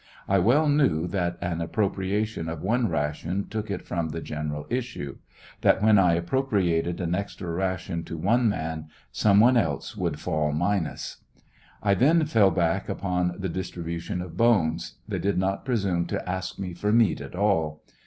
I well knew that an appropriation of one ration took it from the general issue ; that when I appropriated an extra ration to one man, some one else would fall minus. I then fell back upon the distribution of bones ; they did not presume to ask me for meat at all.